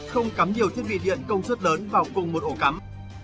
không cắm nhiều thiết bị điện công suất lớn vào cùng một ổ cắm